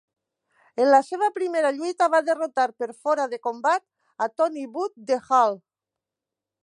En la seva primera lluita va derrotar per fora de combat a Tony Booth, de Hull.